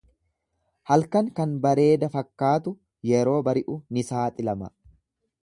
Halkan kan bareeda fakkaatu yeroo bari'u ni saaxilama.